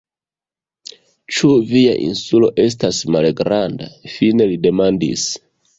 Ĉu via Insulo estas malgranda? fine li demandis.